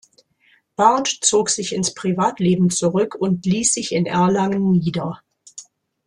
Barth zog sich ins Privatleben zurück und ließ sich in Erlangen nieder.